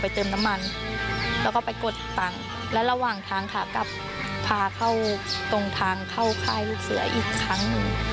เติมน้ำมันแล้วก็ไปกดตังค์และระหว่างทางขากลับพาเข้าตรงทางเข้าค่ายลูกเสืออีกครั้งหนึ่ง